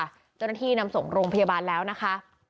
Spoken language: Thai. เจ้าหน้าที่นำส่งโรงพยาบาลแล้วนะคะ